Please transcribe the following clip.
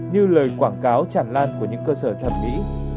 như lời quảng cáo tràn lan của những cơ sở thẩm mỹ